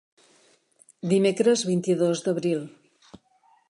Dimecres, vint-i-dos d'abril.